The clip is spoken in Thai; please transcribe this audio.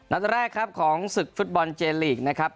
นัดแรกครับของศึกฟุตบอลเจลีกนะครับ